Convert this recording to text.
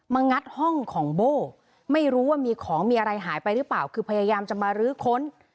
งัดห้องของโบ้ไม่รู้ว่ามีของมีอะไรหายไปหรือเปล่าคือพยายามจะมารื้อค้น